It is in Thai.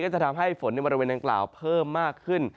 จะทำให้ฝนในบริเวณดังกล่าวเพิ่มมากขึ้น